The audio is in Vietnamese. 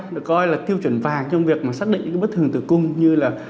được coi là tiêu chuẩn vàng trong việc xác định những bất thường tử cung như là